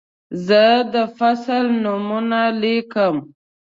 زه د فصل نومونه لیکم.